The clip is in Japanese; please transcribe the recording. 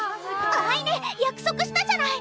藍音約束したじゃない！